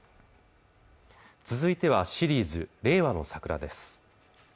続いてはシリーズ「令和のサクラ」です